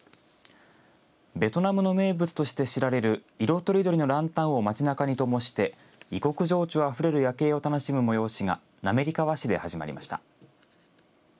ベトナムの名物として知られる色とりどりのランタンを街なかにともして異国情緒あふれる夜景を楽しむ催しが滑川市で始まりました。